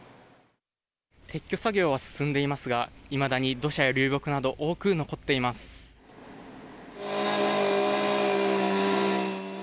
撤去作業は進んでいますが、いまだに土砂や流木など、多く残っています。